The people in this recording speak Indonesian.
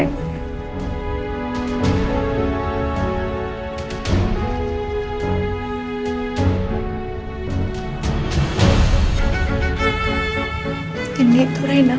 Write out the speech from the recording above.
maksudnya sudah dikira